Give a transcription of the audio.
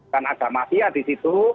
kan ada mafia disitu